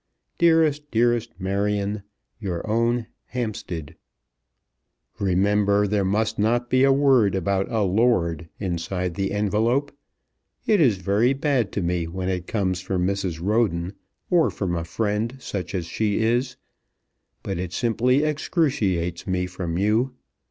Dearest, dearest Marion, Your own, HAMPSTEAD. Remember there must not be a word about a lord inside the envelope. It is very bad to me when it comes from Mrs. Roden, or from a friend such as she is; but it simply excruciates me from you.